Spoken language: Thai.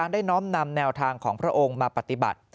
น้อมนำแนวทางของพระองค์มาปฏิบัติ